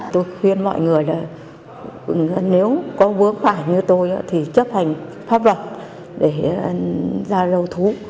tôi khuyên mọi người là nếu có vướng phải như tôi thì chấp hành pháp luật để ra lâu thú